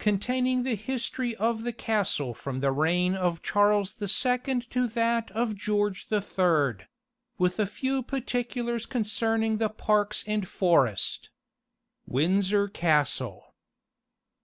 Containing the History of the Castle from the Reign of Charles the Second to that of George the Third With a few Particulars concerning the Parks and the Forest. Windsor Castle.